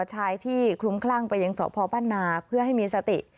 ใช้ที่คลุ้มคลั่งไปยังสพนเพื่อให้มีสติ